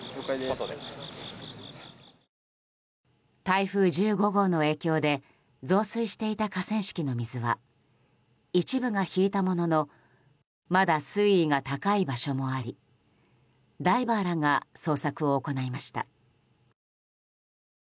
台風１５号の影響で増水していた河川敷の水は一部が引いたもののまだ水位が高い場所もありダイバーらが捜索を行いました。